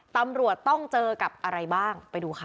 ตำรวจต้องเจอกับอะไรบ้างไปดูค่ะ